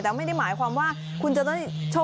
แต่ไม่ได้หมายความว่าคุณจะได้โชค